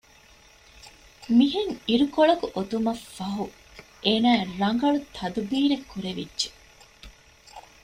މިހެން އިރުކޮޅަކު އޮތުމަށް ފަހު އޭނާޔަށް ރަނގަޅު ތަދުބީރެއް ކުރެވިއްޖެ